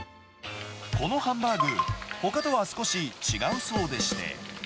このハンバーグ、ほかとは少し違うそうでして。